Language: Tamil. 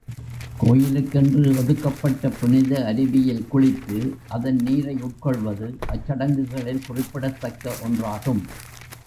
கோயிலுக்கென்று ஒதுக்கப்பட்ட புனித அருவியில் குளித்து, அதன் நீரை உட்கொள்வது அச்சடங்குகளில் குறிப்பிடத்தக்க ஒன்றாகும்.